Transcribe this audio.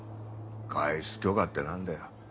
外出許可って何だよ